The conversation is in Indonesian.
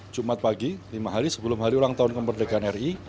jumat pagi lima hari sebelum hari ulang tahun kemerdekaan ri